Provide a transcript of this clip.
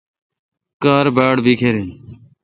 کار باڑ بیکھر این۔